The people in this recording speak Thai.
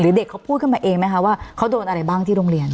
เด็กเขาพูดขึ้นมาเองไหมคะว่าเขาโดนอะไรบ้างที่โรงเรียน